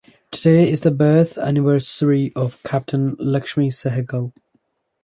Today is the birth anniversary of Captain Laxmi Sehgal.